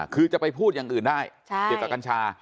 คือจะไปพูดอย่างอื่นได้เกี่ยวกับกัญชา